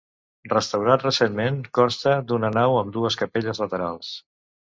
Restaurat recentment, consta d'una nau amb dues capelles laterals.